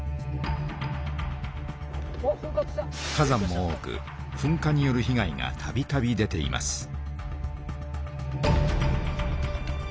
火山も多くふんかによるひ害がたびたび出ています。